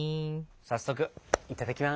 早速いただきます。